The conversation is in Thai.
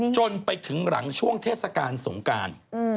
จนไปถึงหลังช่วงเทศกาลสงการ